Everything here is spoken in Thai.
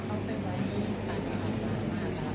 เพราะว่านี่มันคงชนจริง